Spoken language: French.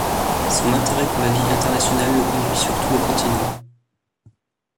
Son intérêt pour la vie internationale le conduit sur tous les continents.